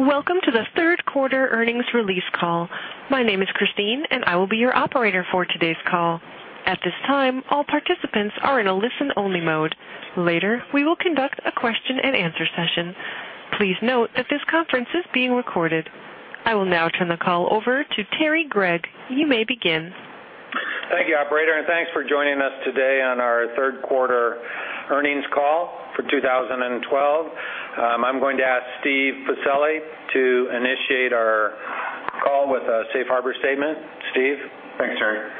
Welcome to the third quarter earnings release call. My name is Christine, and I will be your operator for today's call. At this time, all participants are in a listen-only mode. Later, we will conduct a question-and-answer session. Please note that this conference is being recorded. I will now turn the call over to Terry Gregg. You may begin. Thank you, operator, and thanks for joining us today on our third-quarter earnings call for 2012. I'm going to ask Steve Pacelli to initiate our call with a safe harbor statement. Steve? Thanks, Terry.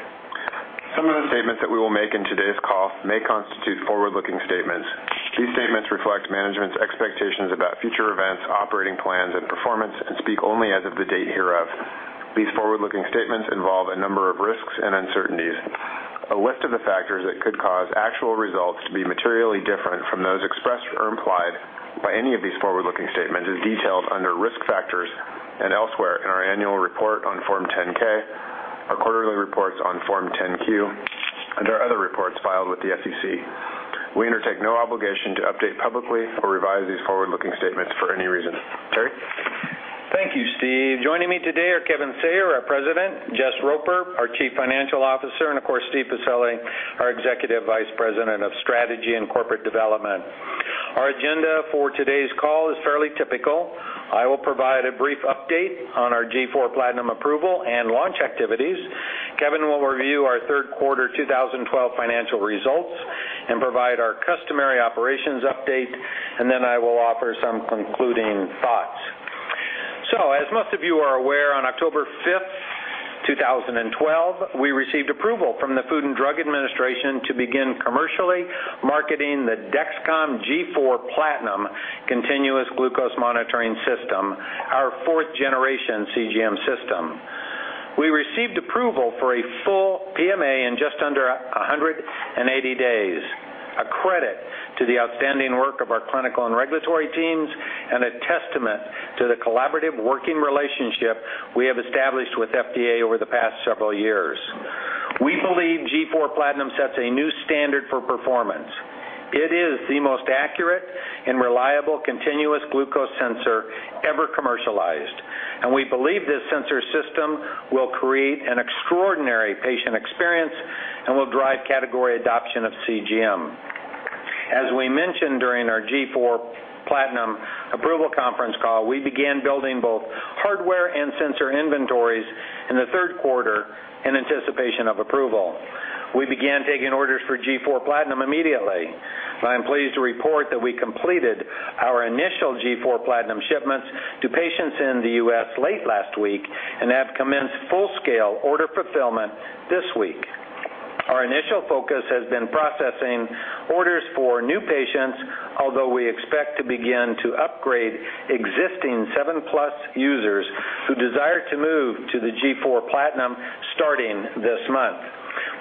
Some of the statements that we will make in today's call may constitute forward-looking statements. These statements reflect management's expectations about future events, operating plans, and performance and speak only as of the date hereof. These forward-looking statements involve a number of risks and uncertainties. A list of the factors that could cause actual results to be materially different from those expressed or implied by any of these forward-looking statements is detailed under Risk Factors and elsewhere in our annual report on Form 10-K, our quarterly reports on Form 10-Q, and our other reports filed with the SEC. We undertake no obligation to update publicly or revise these forward-looking statements for any reason. Terry? Thank you, Steve. Joining me today are Kevin Sayer, our President, Jess Roper, our Chief Financial Officer, and of course, Steve Pacelli, our Executive Vice President of Strategy and Corporate Development. Our agenda for today's call is fairly typical. I will provide a brief update on our G4 PLATINUM approval and launch activities. Kevin will review our third quarter 2012 financial results and provide our customary operations update. Then I will offer some concluding thoughts. As most of you are aware, on October 5th, 2012, we received approval from the Food and Drug Administration to begin commercially marketing the Dexcom G4 PLATINUM continuous glucose monitoring system, our fourth-generation CGM system. We received approval for a full PMA in just under 180 days, a credit to the outstanding work of our clinical and regulatory teams and a testament to the collaborative working relationship we have established with FDA over the past several years. We believe G4 PLATINUM sets a new standard for performance. It is the most accurate and reliable continuous glucose sensor ever commercialized, and we believe this sensor system will create an extraordinary patient experience and will drive category adoption of CGM. As we mentioned during our G4 PLATINUM approval conference call, we began building both hardware and sensor inventories in the third quarter in anticipation of approval. We began taking orders for G4 PLATINUM immediately. I am pleased to report that we completed our initial G4 PLATINUM shipments to patients in the U.S. late last week and have commenced full-scale order fulfillment this week. Our initial focus has been processing orders for new patients, although we expect to begin to upgrade existing 7+ users who desire to move to the G4 PLATINUM starting this month.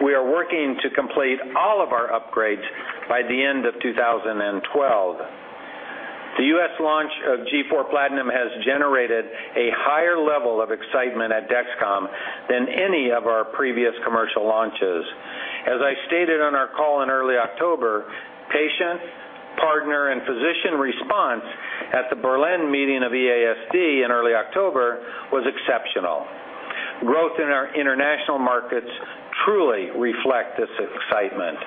We are working to complete all of our upgrades by the end of 2012. The U.S. launch of G4 PLATINUM has generated a higher level of excitement at Dexcom than any of our previous commercial launches. As I stated on our call in early October, patient, partner, and physician response at the Berlin meeting of EASD in early October was exceptional. Growth in our international markets truly reflect this excitement.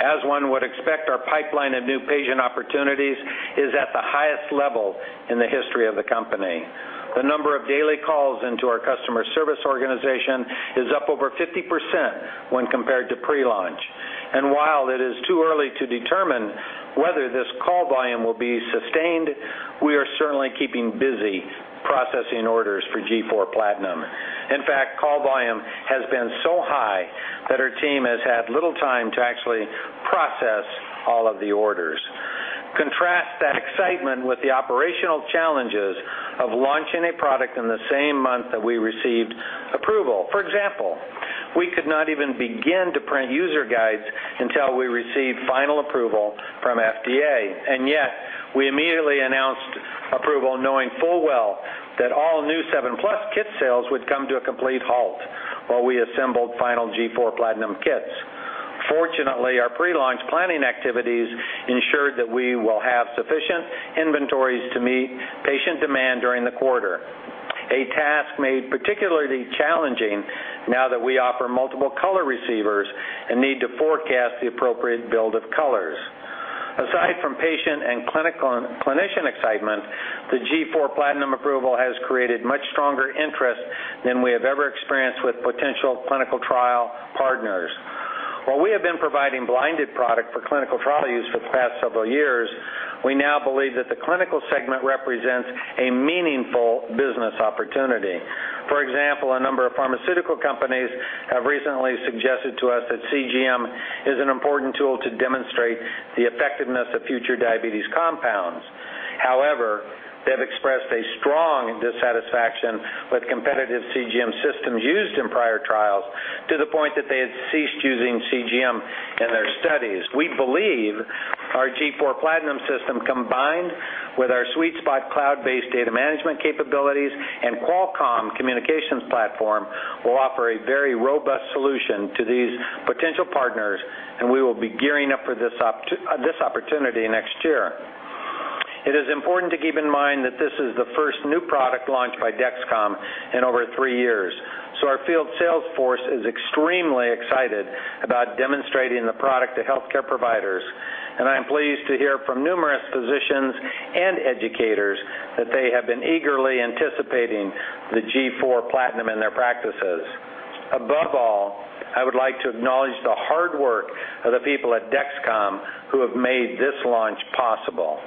As one would expect, our pipeline of new patient opportunities is at the highest level in the history of the company. The number of daily calls into our customer service organization is up over 50% when compared to pre-launch. While it is too early to determine whether this call volume will be sustained, we are certainly keeping busy processing orders for G4 PLATINUM. In fact, call volume has been so high that our team has had little time to actually process all of the orders. Contrast that excitement with the operational challenges of launching a product in the same month that we received approval. For example, we could not even begin to print user guides until we received final approval from FDA, and yet we immediately announced approval, knowing full well that all new 7+ kit sales would come to a complete halt while we assembled final G4 PLATINUM kits. Fortunately, our pre-launch planning activities ensured that we will have sufficient inventories to meet patient demand during the quarter, a task made particularly challenging now that we offer multiple color receivers and need to forecast the appropriate build of colors. Aside from patient and clinician excitement, the G4 PLATINUM approval has created much stronger interest than we have ever experienced with potential clinical trial partners. While we have been providing blinded product for clinical trial use for the past several years, we now believe that the clinical segment represents a meaningful business opportunity. For example, a number of pharmaceutical companies have recently suggested to us that CGM is an important tool to demonstrate the effectiveness of future diabetes compounds. However, they have expressed a strong dissatisfaction with competitive CGM systems used in prior trials to the point that they had ceased using CGM in their studies. We believe our G4 PLATINUM system, combined with our SweetSpot cloud-based data management capabilities and Qualcomm communications platform, will offer a very robust solution to these potential partners, and we will be gearing up for this opportunity next year. It is important to keep in mind that this is the first new product launched by Dexcom in over three years. Our field sales force is extremely excited about demonstrating the product to healthcare providers, and I'm pleased to hear from numerous physicians and educators that they have been eagerly anticipating the G4 PLATINUM in their practices. Above all, I would like to acknowledge the hard work of the people at Dexcom who have made this launch possible.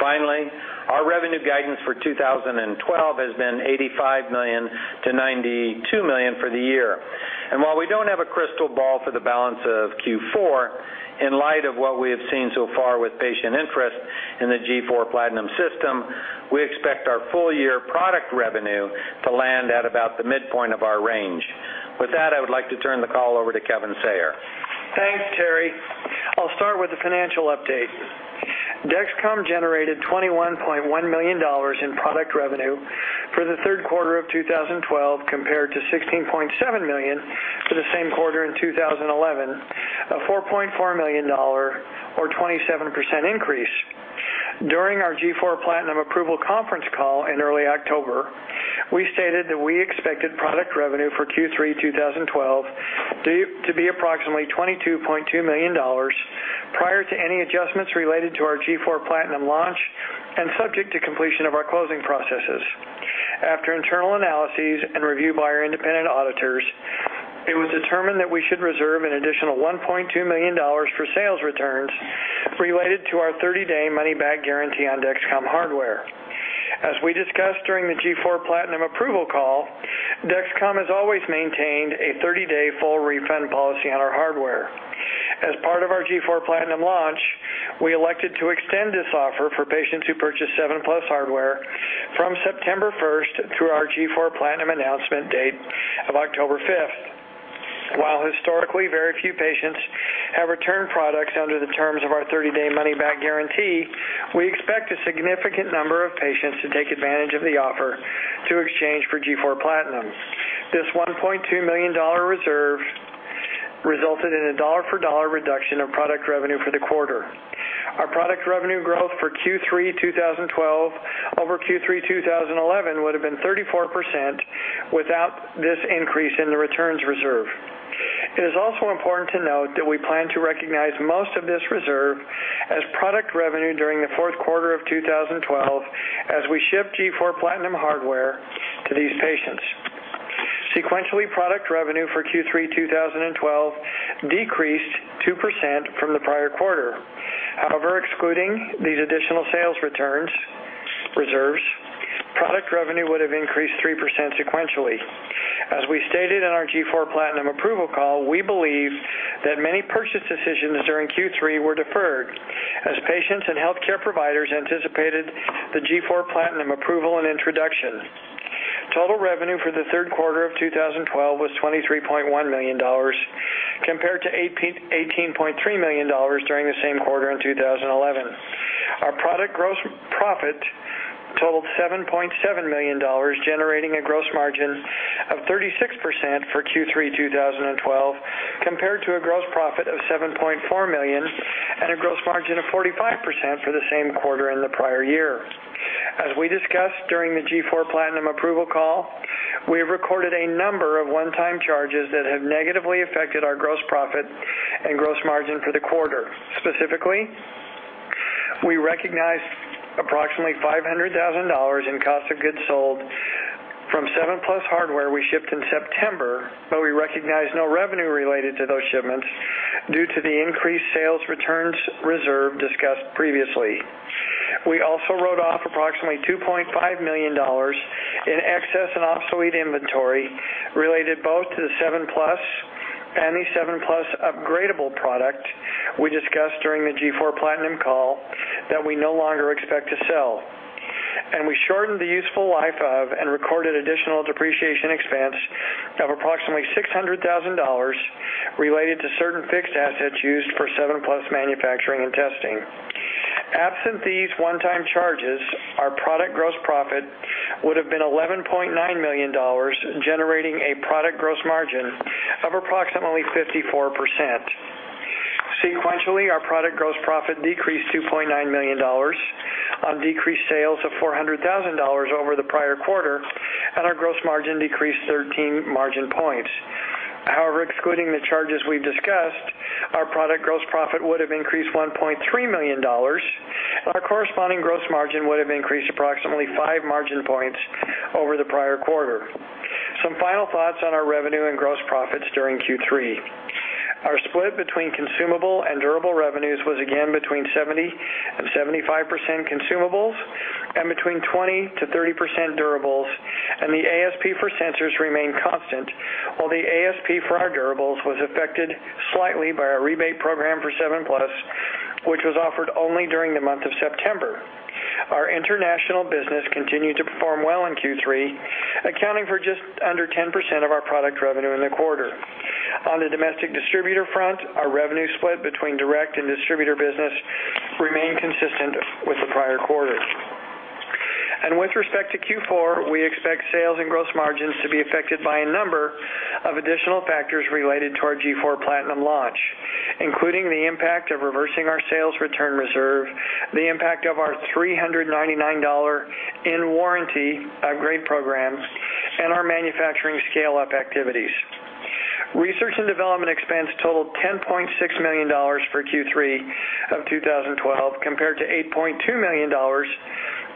Finally, our revenue guidance for 2012 has been $85 million-$92 million for the year. While we don't have a crystal ball for the balance of Q4, in light of what we have seen so far with patient interest in the G4 PLATINUM system, we expect our full year product revenue to land at about the midpoint of our range. With that, I would like to turn the call over to Kevin Sayer. Thanks, Terry. I'll start with the financial update. Dexcom generated $21.1 million in product revenue for the third quarter of 2012 compared to $16.7 million for the same quarter in 2011, a $4.4 million or 27% increase. During our G4 PLATINUM approval conference call in early October, we stated that we expected product revenue for Q3 2012 to be approximately $22.2 million prior to any adjustments related to our G4 PLATINUM launch and subject to completion of our closing processes. After internal analyses and review by our independent auditors, it was determined that we should reserve an additional $1.2 million for sales returns related to our 30-day money-back guarantee on Dexcom hardware. As we discussed during the G4 PLATINUM approval call, Dexcom has always maintained a 30-day full refund policy on our hardware. As part of our G4 PLATINUM launch, we elected to extend this offer for patients who purchased 7+ hardware from September 1st through our G4 PLATINUM announcement date of October 5th. While historically, very few patients have returned products under the terms of our 30-day money-back guarantee, we expect a significant number of patients to take advantage of the offer to exchange for G4 PLATINUM. This $1.2 million reserve resulted in a dollar-for-dollar reduction of product revenue for the quarter. Our product revenue growth for Q3 2012 over Q3 2011 would have been 34% without this increase in the returns reserve. It is also important to note that we plan to recognize most of this reserve as product revenue during the fourth quarter of 2012 as we ship G4 PLATINUM hardware to these patients. Sequentially, product revenue for Q3 2012 decreased 2% from the prior quarter. However, excluding these additional sales returns reserves, product revenue would have increased 3% sequentially. As we stated in our G4 PLATINUM approval call, we believe that many purchase decisions during Q3 were deferred as patients and healthcare providers anticipated the G4 PLATINUM approval and introduction. Total revenue for the third quarter of 2012 was $23.1 million compared to $18.3 million during the same quarter in 2011. Our product gross profit totaled $7.7 million, generating a gross margin of 36% for Q3 2012 compared to a gross profit of $7.4 million and a gross margin of 45% for the same quarter in the prior year. As we discussed during the G4 PLATINUM approval call, we have recorded a number of one-time charges that have negatively affected our gross profit and gross margin for the quarter. Specifically, we recognized approximately $500,000 in cost of goods sold from 7+ hardware we shipped in September, but we recognized no revenue related to those shipments due to the increased sales returns reserve discussed previously. We also wrote off approximately $2.5 million in excess and obsolete inventory related both to the 7+ and the 7+ upgradable product we discussed during the G4 PLATINUM call that we no longer expect to sell. We shortened the useful life of and recorded additional depreciation expense of approximately $600,000 related to certain fixed assets used for 7+ manufacturing and testing. Absent these one-time charges, our product gross profit would have been $11.9 million, generating a product gross margin of approximately 54%. Sequentially, our product gross profit decreased $2.9 million on decreased sales of $400,000 over the prior quarter, and our gross margin decreased 13 margin points. However, excluding the charges we discussed, our product gross profit would have increased $1.3 million, and our corresponding gross margin would have increased approximately 5 margin points over the prior quarter. Some final thoughts on our revenue and gross profits during Q3. Our split between consumable and durable revenues was again between 70% and 75% consumables and between 20%-30% durables, and the ASP for sensors remained constant, while the ASP for our durables was affected slightly by our rebate program for 7+, which was offered only during the month of September. Our international business continued to perform well in Q3, accounting for just under 10% of our product revenue in the quarter. On the domestic distributor front, our revenue split between direct and distributor business remained consistent with the prior quarters. With respect to Q4, we expect sales and gross margins to be affected by a number of additional factors related to our G4 PLATINUM launch, including the impact of reversing our sales return reserve, the impact of our $399 in-warranty upgrade program, and our manufacturing scale-up activities. Research and development expense totaled $10.6 million for Q3 of 2012 compared to $8.2 million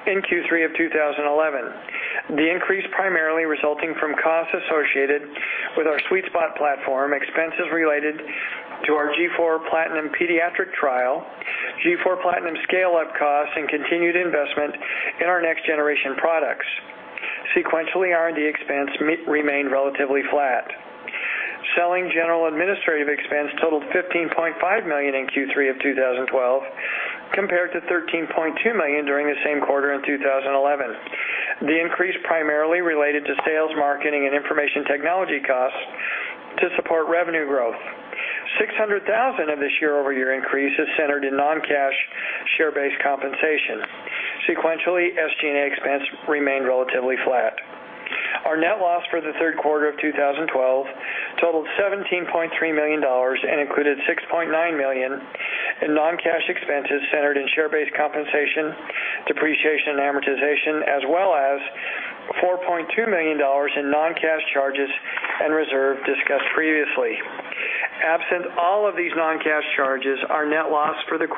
in Q3 of 2011. The increase primarily resulting from costs associated with our SweetSpot platform, expenses related to our G4 PLATINUM pediatric trial, G4 PLATINUM scale-up costs, and continued investment in our next-generation products. Sequentially, R&D expense remained relatively flat. Selling general administrative expense totaled $15.5 million in Q3 of 2012 compared to $13.2 million during the same quarter in 2011. The increase primarily related to sales, marketing, and information technology costs to support revenue growth. $600,000 of this year-over-year increase is centered in non-cash share-based compensation. Sequentially, SG&A expense remained relatively flat. Our net loss for the third quarter of 2012 totaled $17.3 million and included $6.9 million in non-cash expenses centered in share-based compensation, depreciation, and amortization, as well as $4.2 million in non-cash charges and reserve discussed previously. Absent all of these non-cash charges, our net loss for the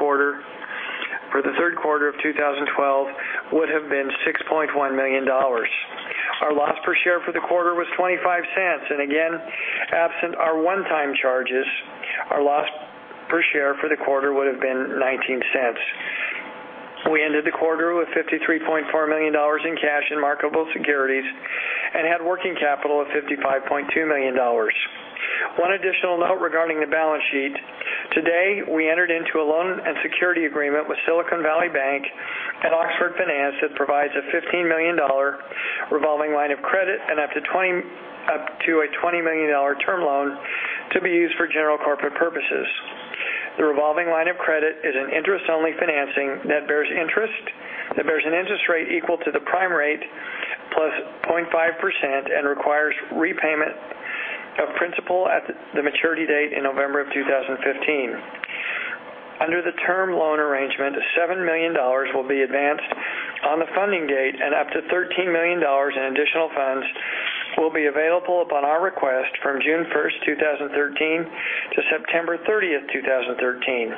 third quarter of 2012 would have been $6.1 million. Our loss per share for the quarter was $0.25. Again, absent our one-time charges, our loss per share for the quarter would have been $0.19. We ended the quarter with $53.4 million in cash and marketable securities and had working capital of $55.2 million. One additional note regarding the balance sheet. Today, we entered into a loan and security agreement with Silicon Valley Bank and Oxford Finance that provides a $15 million revolving line of credit and up to a $20 million term loan to be used for general corporate purposes. The revolving line of credit is an interest-only financing that bears an interest rate equal to the prime rate plus 0.5% and requires repayment of principal at the maturity date in November 2015. Under the term loan arrangement, $7 million will be advanced on the funding date, and up to $13 million in additional funds will be available upon our request from June 1st, 2013, to September 30th, 2013.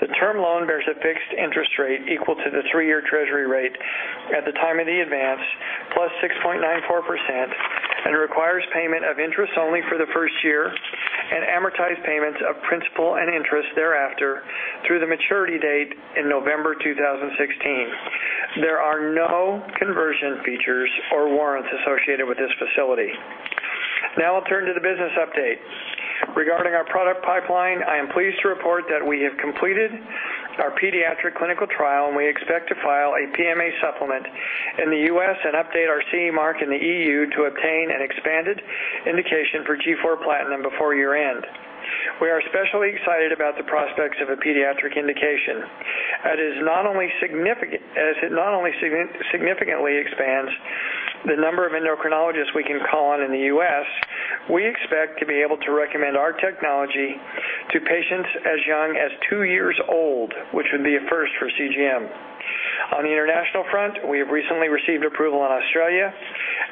The term loan bears a fixed interest rate equal to the three-year Treasury rate at the time of the advance, plus 6.94%, and requires payment of interest only for the first year and amortized payments of principal and interest thereafter through the maturity date in November 2016. There are no conversion features or warrants associated with this facility. Now I'll turn to the business update. Regarding our product pipeline, I am pleased to report that we have completed our pediatric clinical trial, and we expect to file a PMA supplement in the U.S. update our CE mark in the E.U. to obtain an expanded indication for G4 PLATINUM before year-end. We are especially excited about the prospects of a pediatric indication as it not only significantly expands the number of endocrinologists we can call on in the U.S., we expect to be able to recommend our technology to patients as young as two years old, which would be a first for CGM. On the international front, we have recently received approval in Australia,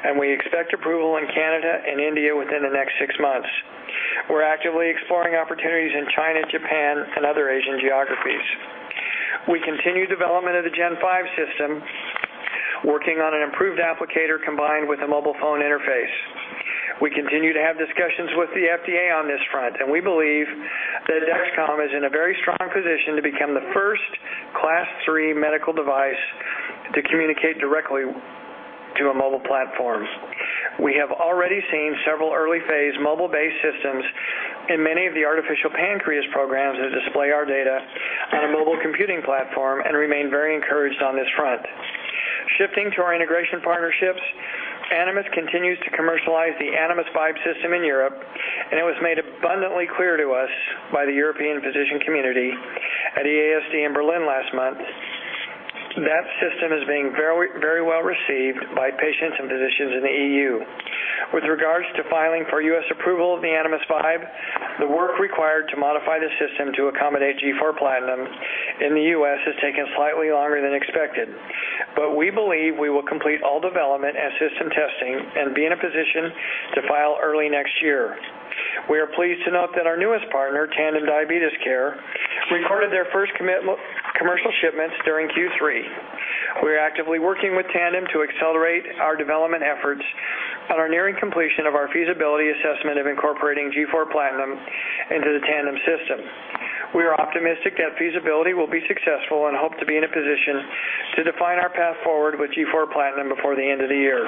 and we expect approval in Canada and India within the next six months. We're actively exploring opportunities in China, Japan, and other Asian geographies. We continue development of the Gen 5 system, working on an improved applicator combined with a mobile phone interface. We continue to have discussions with the FDA on this front, and we believe that Dexcom is in a very strong position to become the first Class III medical device to communicate directly to a mobile platforms. We have already seen several early-phase mobile-based systems in many of the artificial pancreas programs that display our data on a mobile computing platform and remain very encouraged on this front. Shifting to our integration partnerships, Animas continues to commercialize the Animas Vibe system in Europe, and it was made abundantly clear to us by the European physician community at EASD in Berlin last month that system is being very, very well received by patients and physicians in the E.U. With regards to filing for U.S. approval of the Animas Vibe, the work required to modify the system to accommodate G4 PLATINUM in the U.S. has taken slightly longer than expected. We believe we will complete all development and system testing and be in a position to file early next year. We are pleased to note that our newest partner, Tandem Diabetes Care, recorded their first commercial shipments during Q3. We are actively working with Tandem to accelerate our development efforts, and are nearing completion of our feasibility assessment of incorporating G4 PLATINUM into the Tandem system. We are optimistic that feasibility will be successful and hope to be in a position to define our path forward with G4 PLATINUM before the end of the year.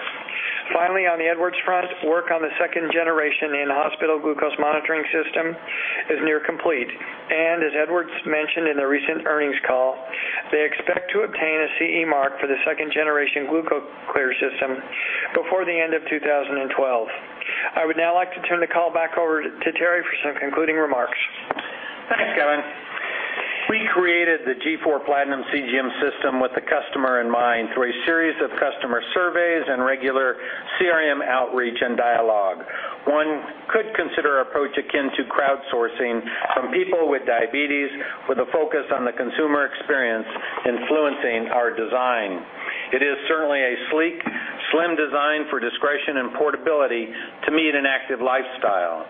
Finally, on the Edwards front, work on the second generation in-hospital glucose monitoring system is nearly complete, and as Edwards mentioned in their recent earnings call, they expect to obtain a CE Mark for the second generation GlucoClear system before the end of 2012. I would now like to turn the call back over to Terry for some concluding remarks. Thanks, Kevin. We created the G4 PLATINUM CGM system with the customer in mind through a series of customer surveys and regular CRM outreach and dialogue. One could consider approach akin to crowdsourcing from people with diabetes, with a focus on the consumer experience influencing our design. It is certainly a sleek, slim design for discretion and portability to meet an active lifestyle.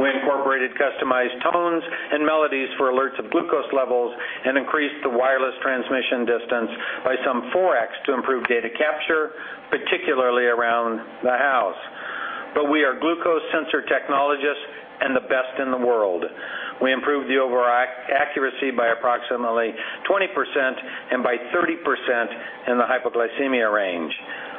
We incorporated customized tones and melodies for alerts of glucose levels and increased the wireless transmission distance by some 4x to improve data capture, particularly around the house. We are glucose sensor technologists and the best in the world. We improved the overall accuracy by approximately 20% and by 30% in the hypoglycemia range.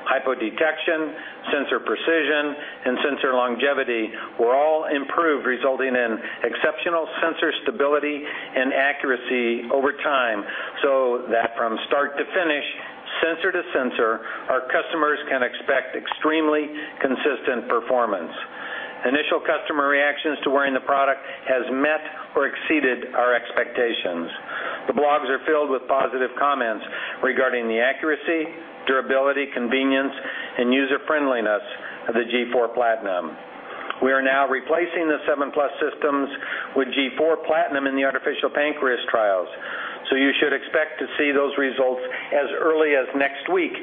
Hypo detection, sensor precision, and sensor longevity were all improved, resulting in exceptional sensor stability and accuracy over time, so that from start to finish, sensor to sensor, our customers can expect extremely consistent performance. Initial customer reactions to wearing the product has met or exceeded our expectations. The blogs are filled with positive comments regarding the accuracy, durability, convenience, and user-friendliness of the G4 PLATINUM. We are now replacing the 7+ systems with G4 PLATINUM in the artificial pancreas trials, so you should expect to see those results as early as next week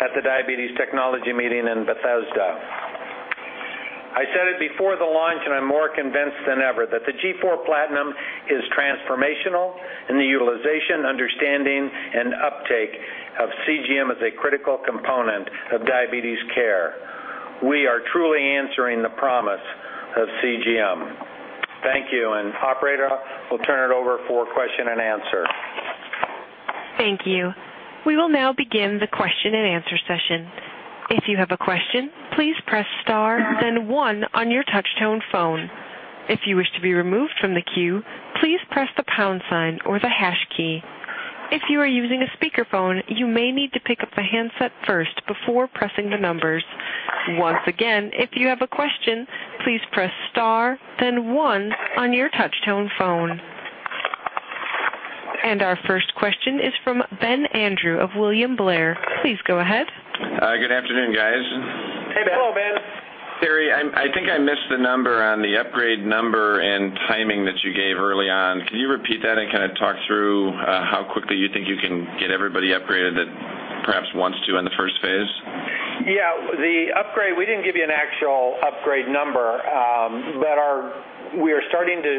at the Diabetes Technology Meeting in Bethesda. I said it before the launch, and I'm more convinced than ever, that the G4 PLATINUM is transformational in the utilization, understanding, and uptake of CGM as a critical component of diabetes care. We are truly answering the promise of CGM. Thank you. Operator, we'll turn it over for question and answer. Thank you. We will now begin the question-and-answer session. If you have a question, please press star then one on your touchtone phone. If you wish to be removed from the queue, please press the pound sign or the hash key. If you are using a speakerphone, you may need to pick up the handset first before pressing the numbers. Once again, if you have a question, please press star then one on your touchtone phone. Our first question is from Ben Andrew of William Blair. Please go ahead. Hi. Good afternoon, guys. Hey, Ben. Hello, Ben. Terry, I think I missed the number on the upgrade number and timing that you gave early on. Can you repeat that and kind of talk through how quickly you think you can get everybody upgraded that perhaps wants to in the first phase? Yeah. The upgrade, we didn't give you an actual upgrade number, but we are starting to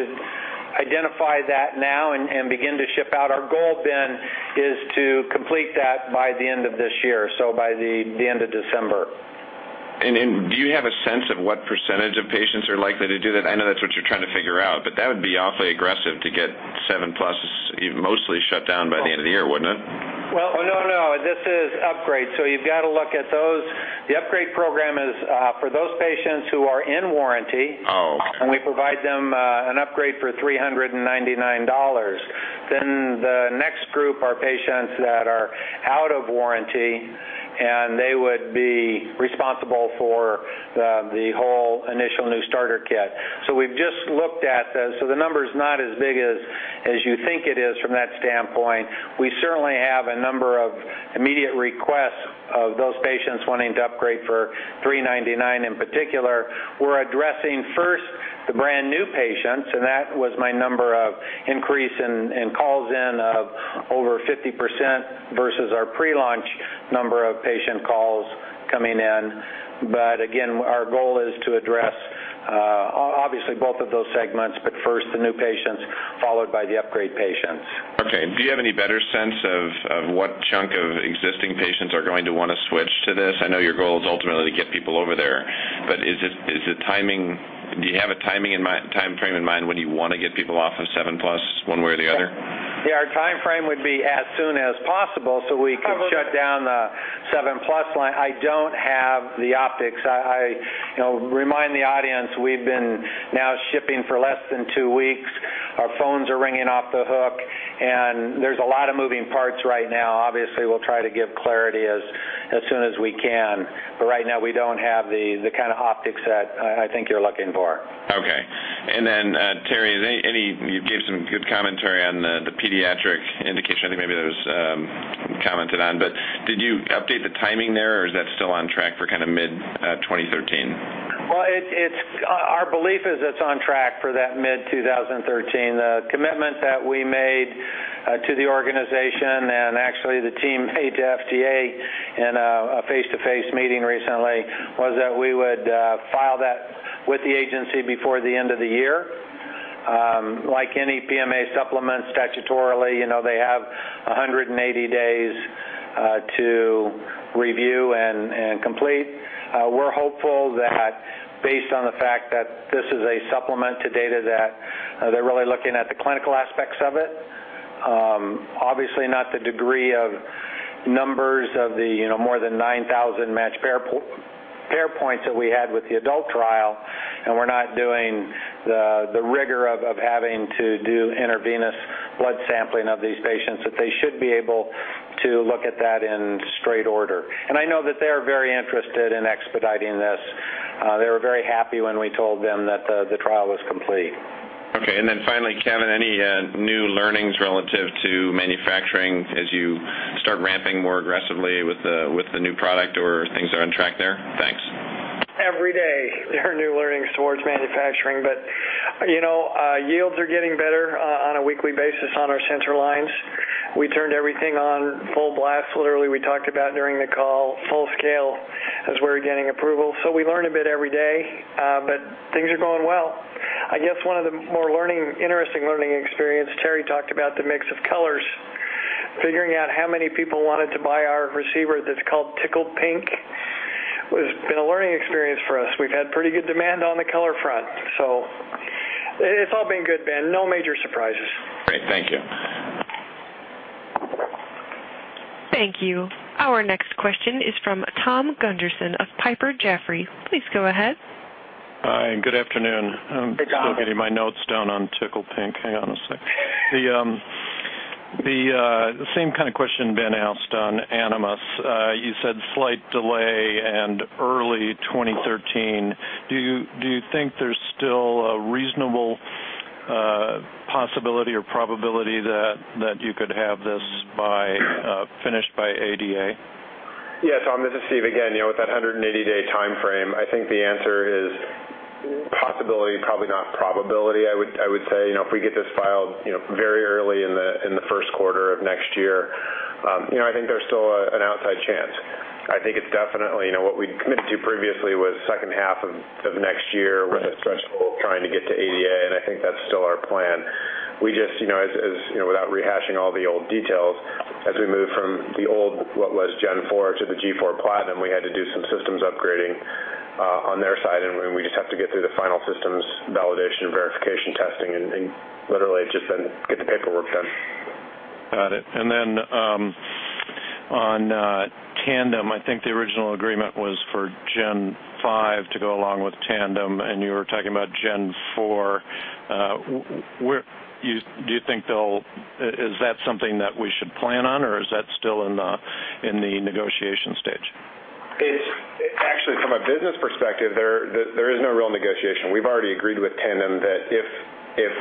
identify that now and begin to ship out. Our goal is to complete that by the end of this year, so by the end of December. Do you have a sense of what percentage of patients are likely to do that? I know that's what you're trying to figure out, but that would be awfully aggressive to get 7+ mostly shut down by the end of the year, wouldn't it? Well, no, this is upgrade. You've got to look at those. The upgrade program is for those patients who are in warranty. Oh, okay. We provide them an upgrade for $399. The next group are patients that are out of warranty, and they would be responsible for the whole initial new starter kit. We've just looked at this, so the number is not as big as you think it is from that standpoint. We certainly have a number of immediate requests of those patients wanting to upgrade for $399 in particular. We're addressing first the brand-new patients, and that was my number of increase in calls in of over 50% versus our pre-launch number of patient calls coming in. Again, our goal is to address obviously both of those segments, but first the new patients followed by the upgrade patients. Okay. Do you have any better sense of what chunk of existing patients are going to wanna switch to this? I know your goal is ultimately to get people over there, but do you have a timeframe in mind when you wanna get people off of 7+ one way or the other? Yeah, our timeframe would be as soon as possible, so we can shut down the 7+ line. I don't have the optics. I you know remind the audience, we've been now shipping for less than two weeks. Our phones are ringing off the hook, and there's a lot of moving parts right now. Obviously, we'll try to give clarity as soon as we can, but right now, we don't have the kind of optics that I think you're looking for. Okay. Terry, you gave some good commentary on the pediatric indication. I think maybe that was commented on, but did you update the timing there, or is that still on track for kind of mid 2013? Well, it's our belief is it's on track for that mid-2013. The commitment that we made to the organization and actually the team made to FDA in a face-to-face meeting recently was that we would file that with the agency before the end of the year. Like any PMA supplement statutorily, you know, they have 180 days to review and complete. We're hopeful that based on the fact that this is a supplement to data that they're really looking at the clinical aspects of it. Obviously not the degree of numbers of the, you know, more than 9,000 matched pair points that we had with the adult trial, and we're not doing the rigor of having to do intravenous blood sampling of these patients, that they should be able to look at that in straight order. I know that they are very interested in expediting this. They were very happy when we told them that the trial was complete. Okay. Finally, Kevin, any new learnings relative to manufacturing as you- Start ramping more aggressively with the new product, or things are on track there? Thanks. Every day there are new learnings towards manufacturing, but, you know, yields are getting better on a weekly basis on our center lines. We turned everything on full blast, literally, we talked about during the call full scale as we were getting approval. We learn a bit every day, but things are going well. I guess one of the interesting learning experience, Terry talked about the mix of colors. Figuring out how many people wanted to buy our receiver that's called Tickle Pink has been a learning experience for us. We've had pretty good demand on the color front. It's all been good, Ben. No major surprises. Great. Thank you. Thank you. Our next question is from Thom Gunderson of Piper Jaffray. Please go ahead. Hi, and good afternoon. Hey, Tom. I'm still getting my notes down on Tickle Pink. Hang on a sec. The same kind of question Ben asked on Animas. You said slight delay and early 2013. Do you think there's still a reasonable possibility or probability that you could have this finished by ADA? Yes. Tom, this is Steve again. You know, with that 180-day timeframe, I think the answer is possibility, probably not probability. I would say, you know, if we get this filed, you know, very early in the first quarter of next year, you know, I think there's still an outside chance. I think it's definitely, you know, what we'd committed to previously was second half of next year with a stretch goal trying to get to ADA, and I think that's still our plan. We just, you know, as you know, without rehashing all the old details, as we move from the old, what was G4 to the G4 PLATINUM, we had to do some systems upgrading on their side, and we just have to get through the final systems validation and verification testing and literally just then get the paperwork done. Got it. On Tandem, I think the original agreement was for Gen 5 to go along with Tandem, and you were talking about Gen 4. Where do you think they'll? Is that something that we should plan on or is that still in the negotiation stage? It's actually from a business perspective there is no real negotiation. We've already agreed with Tandem that if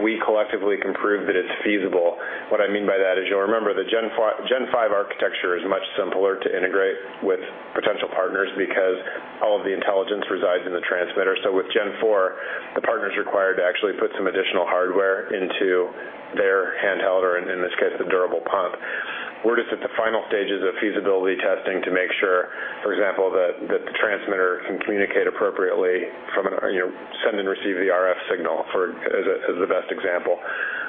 we collectively can prove that it's feasible. What I mean by that is you'll remember the Gen 5 architecture is much simpler to integrate with potential partners because all of the intelligence resides in the transmitter. With Gen 4, the partner is required to actually put some additional hardware into their handheld or in this case, the durable pump. We're just at the final stages of feasibility testing to make sure, for example, that the transmitter can communicate appropriately, send and receive the RF signal as the best example.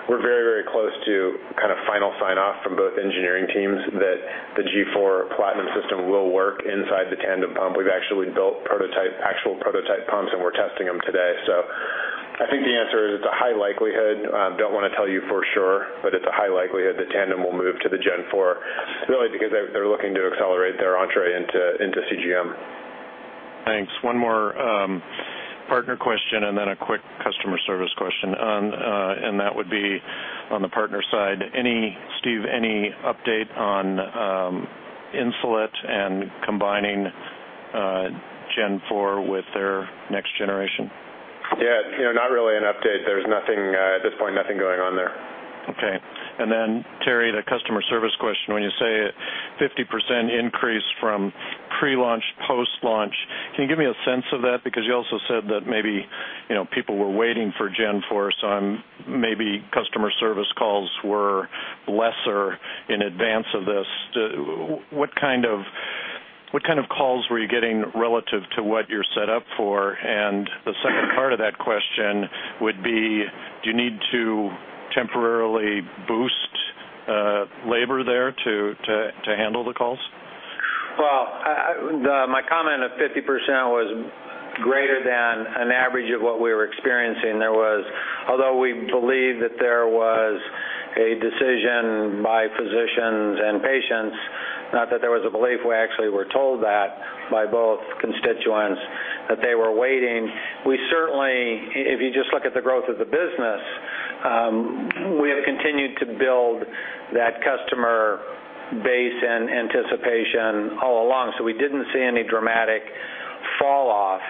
We're very close to kind of final sign off from both engineering teams that the G4 PLATINUM system will work inside the Tandem pump. We've actually built actual prototype pumps and we're testing them today. I think the answer is it's a high likelihood. Don't wanna tell you for sure, but it's a high likelihood that Tandem will move to the Gen 4 really because they're looking to accelerate their entry into CGM. Thanks. One more partner question and then a quick customer service question. That would be on the partner side. Steve, any update on Insulet and combining Gen 4 with their next generation? Yeah. You know, not really an update. There's nothing, at this point, nothing going on there. Okay. Terry, the customer service question. When you say a 50% increase from pre-launch to post-launch, can you give me a sense of that? Because you also said that maybe, you know, people were waiting for Gen 4, so maybe customer service calls were lesser in advance of this. What kind of calls were you getting relative to what you're set up for? The second part of that question would be, do you need to temporarily boost labor there to handle the calls? Well, my comment of 50% was greater than an average of what we were experiencing. Although we believe that there was a decision by physicians and patients, not that there was a belief, we actually were told that by both constituents that they were waiting. We certainly, if you just look at the growth of the business, we have continued to build that customer base and anticipation all along, so we didn't see any dramatic fall off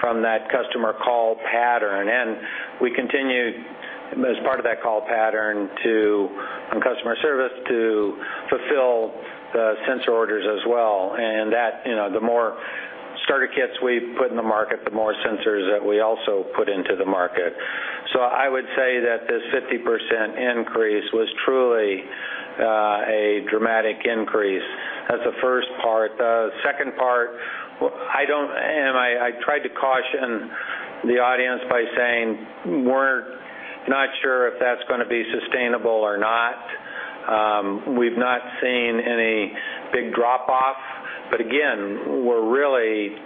from that customer call pattern. We continued, as part of that call pattern to, on customer service to fulfill the sensor orders as well. That, you know, the more starter kits we put in the market, the more sensors that we also put into the market. I would say that the 50% increase was truly, a dramatic increase as the first part. The second part, I tried to caution the audience by saying we're not sure if that's gonna be sustainable or not. We've not seen any big drop off. Again, we're really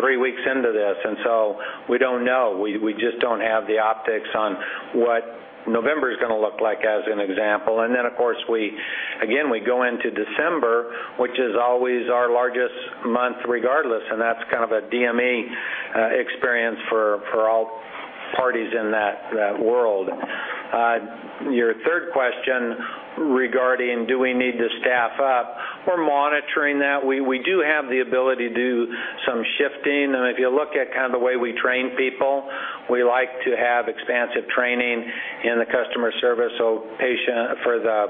three weeks into this, and so we don't know. We just don't have the optics on what November's gonna look like as an example. Then, of course, again, we go into December, which is always our largest month regardless, and that's kind of a DME experience for all parties in that world. Your third question regarding do we need to staff up? We're monitoring that. We do have the ability to do some shifting. If you look at kind of the way we train people, we like to have expansive training in the customer service. For the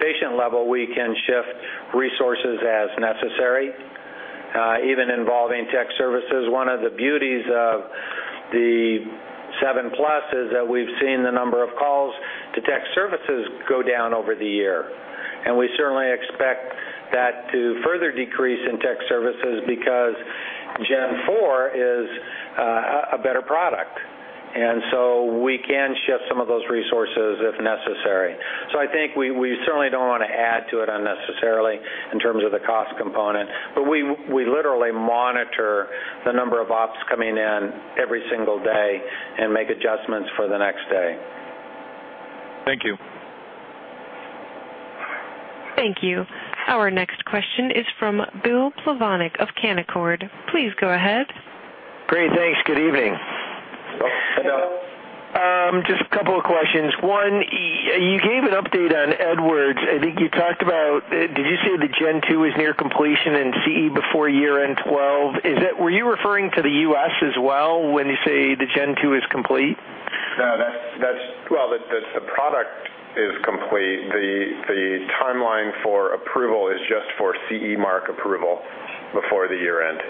patient level, we can shift resources as necessary, even involving tech services. One of the beauties of the 7+ is that we've seen the number of calls to tech services go down over the year, and we certainly expect that to further decrease in tech services because Gen 4 is a better product. We can shift some of those resources if necessary. I think we certainly don't wanna add to it unnecessarily in terms of the cost component, but we literally monitor the number of ops coming in every single day and make adjustments for the next day. Thank you. Thank you. Our next question is from Bill Plovanic of Canaccord. Please go ahead. Great. Thanks. Good evening. Hello. Just a couple of questions. One, you gave an update on Edwards Lifesciences. Did you say the Gen 2 is near completion in CE before year-end 2012? Were you referring to the U.S. as well when you say the Gen 2 is complete? No, that's. Well, the product is complete. The timeline for approval is just for CE mark approval before the year end.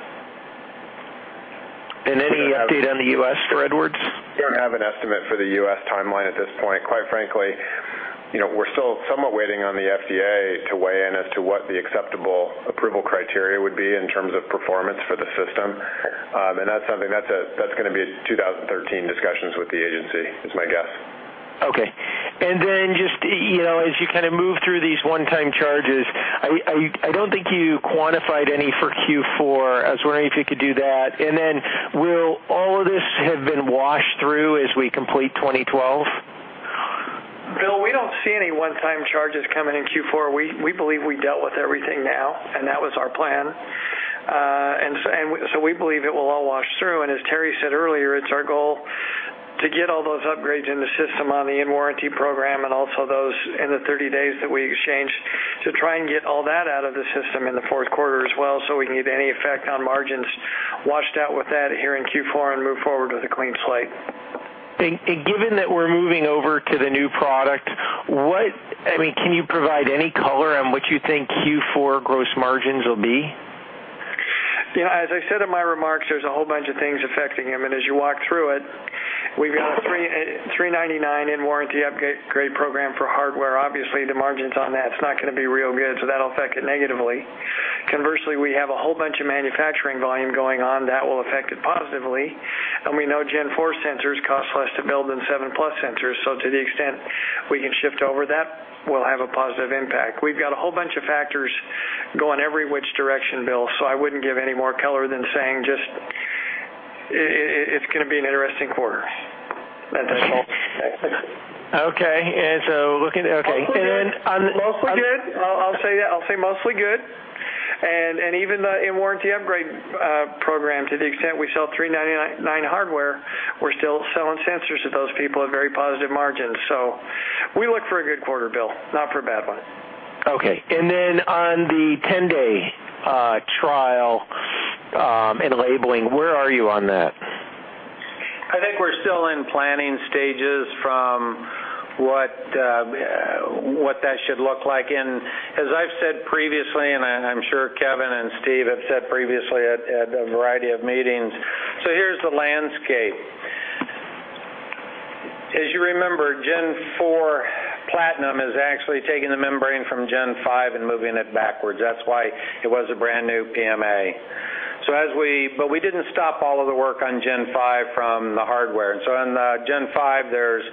Any update on the U.S. for Edwards Lifesciences? We don't have an estimate for the U.S. timeline at this point. Quite frankly, you know, we're still somewhat waiting on the FDA to weigh in as to what the acceptable approval criteria would be in terms of performance for the system. That's something that's gonna be 2013 discussions with the agency, is my guess. Okay. Just, you know, as you kinda move through these one-time charges, I don't think you quantified any for Q4. I was wondering if you could do that. Will all of this have been washed through as we complete 2012? Bill, we don't see any one-time charges coming in Q4. We believe we dealt with everything now, and that was our plan. We believe it will all wash through. As Terry said earlier, it's our goal to get all those upgrades in the system on the in-warranty program and also those in the 30 days that we exchanged to try and get all that out of the system in the fourth quarter as well. We can get any effect on margins washed out with that here in Q4 and move forward with a clean slate. Given that we're moving over to the new product, I mean, can you provide any color on what you think Q4 gross margins will be? You know, as I said in my remarks, there's a whole bunch of things affecting them. As you walk through it, we've got a $399 in warranty upgrade program for hardware. Obviously, the margins on that, it's not gonna be real good, so that'll affect it negatively. Conversely, we have a whole bunch of manufacturing volume going on that will affect it positively. We know Gen 4 sensors cost less to build than 7+ sensors. To the extent we can shift over that, we'll have a positive impact. We've got a whole bunch of factors going every which direction, Bill, so I wouldn't give any more color than saying just it's gonna be an interesting quarter. That's all. Okay. And so looking... Okay. And on- Mostly good. I'll say mostly good. Even the in-warranty upgrade program, to the extent we sell $399 hardware, we're still selling sensors to those people at very positive margins. We look for a good quarter, Bill, not for a bad one. Okay. On the 10-day trial and labeling, where are you on that? I think we're still in planning stages from what that should look like. As I've said previously, and I'm sure Kevin and Steve have said previously at a variety of meetings, here's the landscape. As you remember, G4 PLATINUM is actually taking the membrane from G5 and moving it backwards. That's why it was a brand new PMA. We didn't stop all of the work on G5 from the hardware. On the G5, there's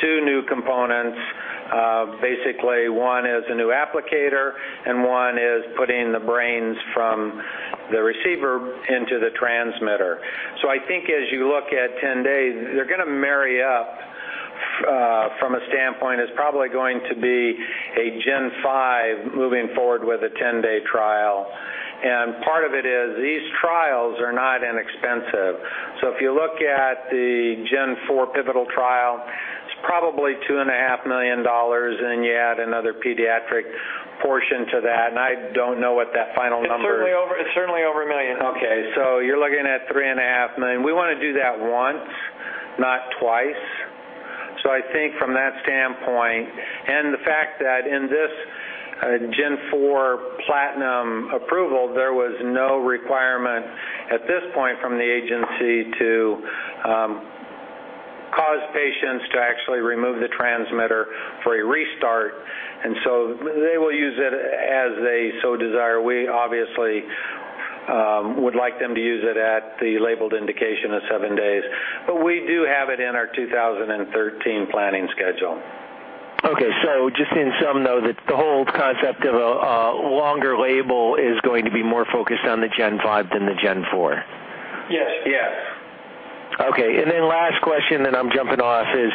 two new components. Basically one is a new applicator and one is putting the brains from the receiver into the transmitter. I think as you look at 10 days, they're gonna marry up from a standpoint, it's probably going to be a G5 moving forward with a 10-day trial. Part of it is these trials are not inexpensive. If you look at the G4 pivotal trial, it's probably $2.5 million, and you add another pediatric portion to that. I don't know what that final number It's certainly over a million. Okay, you're looking at $3.5 million. We wanna do that once, not twice. I think from that standpoint, and the fact that in this G4 PLATINUM approval, there was no requirement at this point from the agency to cause patients to actually remove the transmitter for a restart. They will use it as they so desire. We obviously would like them to use it at the labeled indication of seven days. We do have it in our 2013 planning schedule. Okay. Just in sum, though, the whole concept of a longer label is going to be more focused on the Gen 5 than the Gen 4. Yes. Yes. Okay. Then last question, then I'm jumping off, is,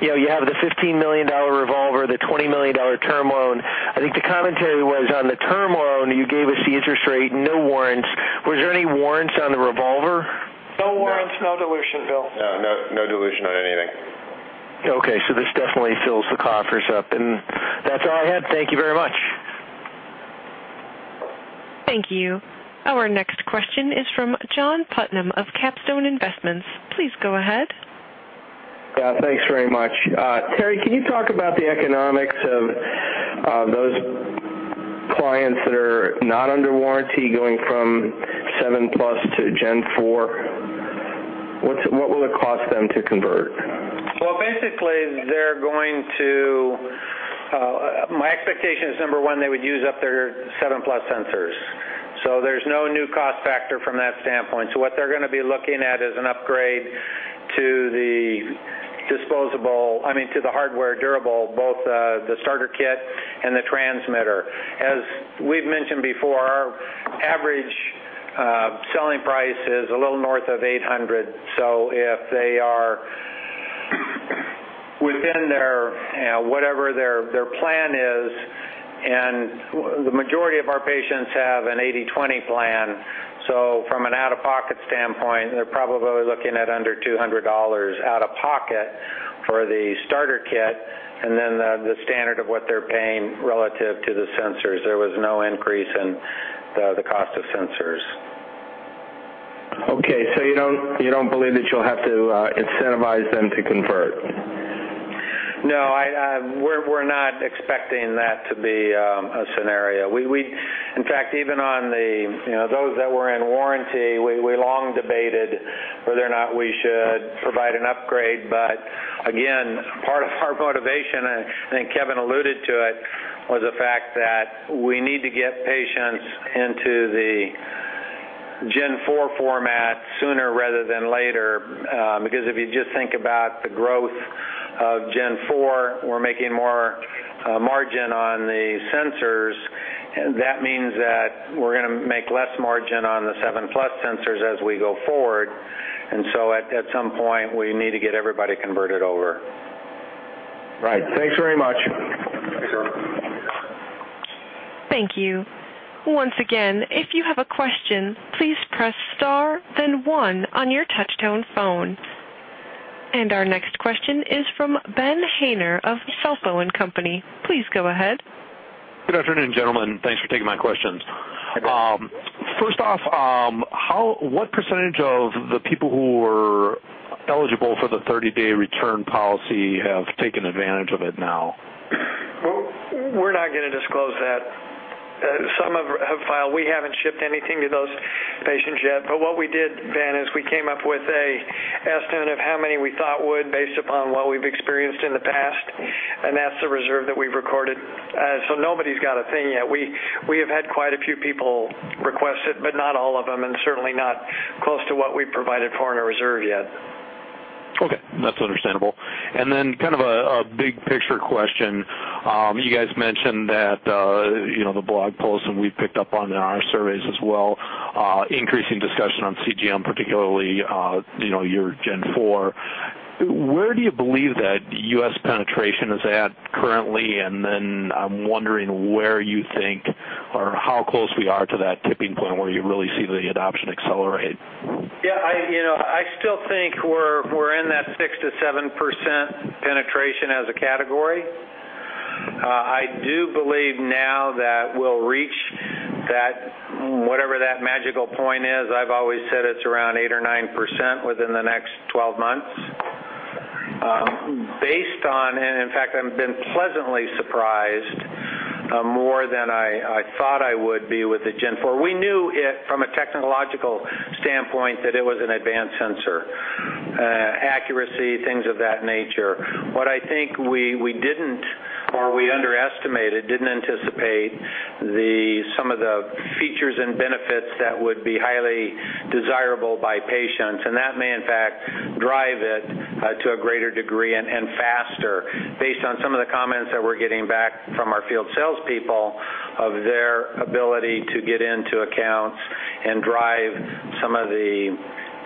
you know, you have the $15 million revolver, the $20 million term loan. I think the commentary was on the term loan, you gave us the interest rate, no warrants. Was there any warrants on the revolver? No warrants, no dilution, Bill. No, no dilution on anything. Okay. This definitely fills the coffers up. That's all I had. Thank you very much. Thank you. Our next question is from John Putnam of Capstone Investments. Please go ahead. Yeah. Thanks very much. Terry, can you talk about the economics of those clients that are not under warranty going from 7+ to G4? What will it cost them to convert? Well, basically, they're going to. My expectation is, number one, they would use up their 7+ sensors. There's no new cost factor from that standpoint. What they're gonna be looking at is an upgrade, I mean, to the hardware durable, both the starter kit and the transmitter. As we've mentioned before, our average selling price is a little north of $800. If they are within their plan, and the majority of our patients have an 80/20 plan, from an out-of-pocket standpoint, they're probably looking at under $200 out-of-pocket for the starter kit and then the standard of what they're paying relative to the sensors. There was no increase in the cost of sensors. Okay. You don't believe that you'll have to incentivize them to convert? No. We're not expecting that to be a scenario. In fact, even on the, you know, those that were in warranty, we long debated whether or not we should provide an upgrade. But again, part of our motivation, and I think Kevin alluded to it, was the fact that we need to get patients into the Gen 4 format sooner rather than later. Because if you just think about the growth of Gen 4, we're making more margin on the sensors. That means that we're gonna make less margin on the 7+ sensors as we go forward. At some point, we need to get everybody converted over. Right. Thanks very much. You're welcome. Thank you. Once again, if you have a question, please press star then one on your touch tone phone. Our next question is from Ben Haynor of Feltl and Company. Please go ahead. Good afternoon, gentlemen. Thanks for taking my questions. Hi. First off, what percentage of the people who were eligible for the 30-day return policy have taken advantage of it now? Well, we're not gonna disclose that. Some have filed. We haven't shipped anything to those patients yet. What we did, Ben, is we came up with an estimate of how many we thought would, based upon what we've experienced in the past, and that's the reserve that we've recorded. Nobody's got a thing yet. We have had quite a few people request it, but not all of them, and certainly not close to what we provided for in our reserve yet. Okay, that's understandable. Then kind of a big picture question. You guys mentioned that, you know, the blog post, and we picked up on our surveys as well, increasing discussion on CGM, particularly, you know, your Gen 4. Where do you believe that U.S. penetration is at currently? Then I'm wondering where you think or how close we are to that tipping point where you really see the adoption accelerate. Yeah, you know, I still think we're in that 6%-7% penetration as a category. I do believe now that we'll reach that, whatever that magical point is. I've always said it's around 8% or 9% within the next 12 months. Based on and in fact, I've been pleasantly surprised, more than I thought I would be with the Gen 4. We knew it from a technological standpoint that it was an advanced sensor, accuracy, things of that nature. What I think we underestimated, didn't anticipate some of the features and benefits that would be highly desirable by patients, and that may in fact drive it to a greater degree and faster based on some of the comments that we're getting back from our field salespeople of their ability to get into accounts and drive some of the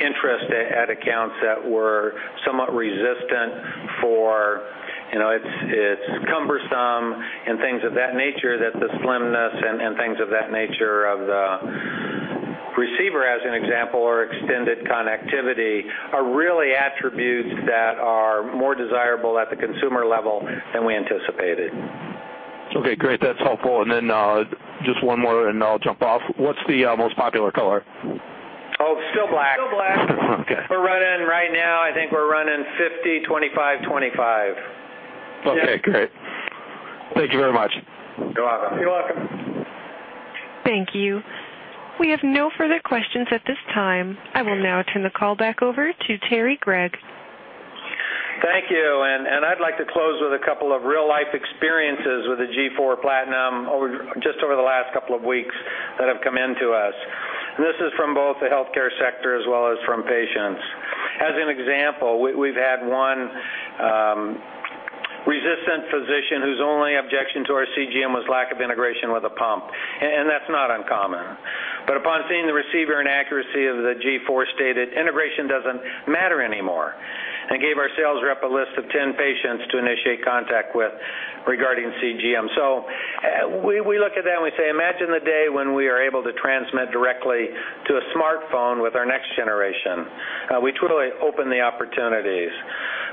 interest at accounts that were somewhat resistant for, you know, it's cumbersome and things of that nature, that the slimness and things of that nature of the receiver as an example or extended connectivity are really attributes that are more desirable at the consumer level than we anticipated. Okay, great. That's helpful. Just one more, and I'll jump off. What's the most popular color? Oh, still black. Okay. We're running right now, I think we're running 50, 25. Okay, great. Thank you very much. You're welcome. Thank you. We have no further questions at this time. I will now turn the call back over to Terry Gregg. Thank you. I'd like to close with a couple of real life experiences with the G4 PLATINUM over, just over the last couple of weeks that have come in to us. This is from both the healthcare sector as well as from patients. As an example, we've had one resistant physician whose only objection to our CGM was lack of integration with a pump, and that's not uncommon. Upon seeing the receiver and accuracy of the G4 stated, "Integration doesn't matter anymore," and gave our sales rep a list of 10 patients to initiate contact with regarding CGM. We look at that and we say, imagine the day when we are able to transmit directly to a smartphone with our next generation. We totally open the opportunities.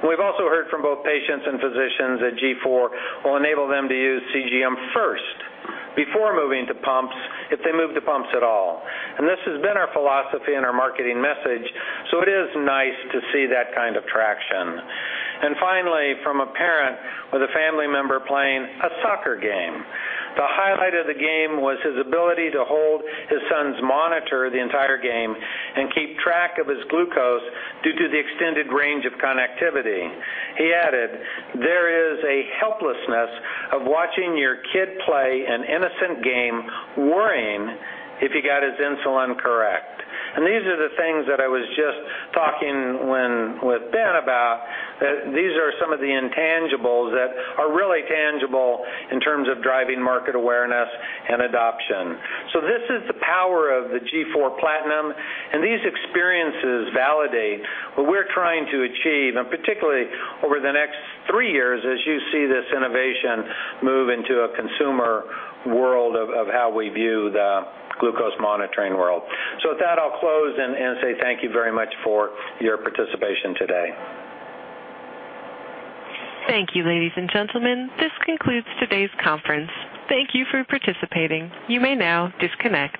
We've also heard from both patients and physicians that G4 will enable them to use CGM first before moving to pumps if they move to pumps at all. This has been our philosophy and our marketing message, so it is nice to see that kind of traction. Finally, from a parent with a family member playing a soccer game. The highlight of the game was his ability to hold his son's monitor the entire game and keep track of his glucose due to the extended range of connectivity. He added, "There is a helplessness of watching your kid play an innocent game worrying if he got his insulin correct." These are the things that I was just talking when with Ben about, that these are some of the intangibles that are really tangible in terms of driving market awareness and adoption. This is the power of the G4 PLATINUM, and these experiences validate what we're trying to achieve, and particularly over the next three years as you see this innovation move into a consumer world of how we view the glucose monitoring world. With that, I'll close and say thank you very much for your participation today. Thank you, ladies and gentlemen. This concludes today's conference. Thank you for participating. You may now disconnect.